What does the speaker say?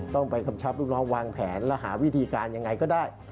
ต้องไปกำชับลูกน้องวางแผนและหาวิธีการยังไงก็ได้